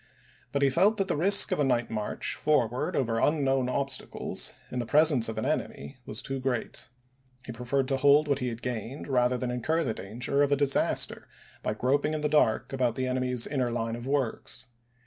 But he felt that the risk of a night march forward over un known obstacles, in the presence of an enemy, was too great ; he preferred to hold what he had gained rather than incur the danger of a disaster by groping in the dark about the enemy's inner line of works.